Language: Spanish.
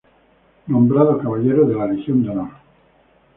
Nombrado caballero de la Legión de Honor.